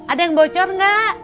ada yang bocor enggak